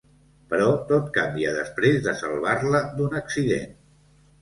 Però tot canvia després de salvar-la d’un accident.